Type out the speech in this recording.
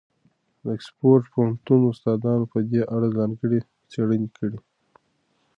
د اکسفورډ پوهنتون استادانو په دې اړه ځانګړې څېړنې کړي.